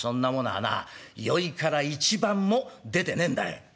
はな宵から一番も出てねえんだい」。